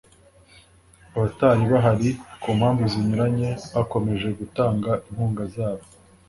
abatari bahari ku mpamvu zinyuranye bakomeje gutanga inkunga zabo